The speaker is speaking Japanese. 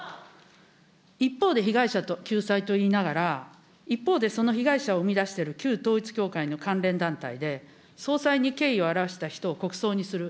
一方で被害者救済と言いながら、一方でその被害者を生み出している旧統一教会の関連団体で、総裁に敬意を表した人を国葬にする。